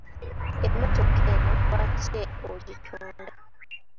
Emmotoka eno lwaki ogitunda?